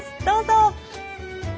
どうぞ！